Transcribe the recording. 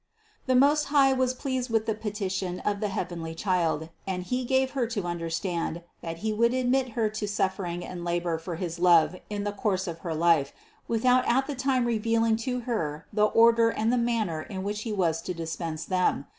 433. The Most High was much pleased with the peti tion of the heavenly Child and He gave Her to under 340 CITY OF GOD stand that He would admit Her to suffering and labor for his love in the course of her life, without at the time revealing to Her the order and the manner in which He was to dispense them.